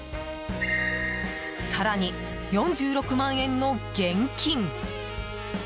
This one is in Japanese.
更に、４６万円の現金。